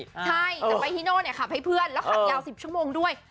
จัดไปที่โน่นเนี่ยอะขับให้เพื่อนแล้วขับยาว๑๐ชั่วโมงด้วย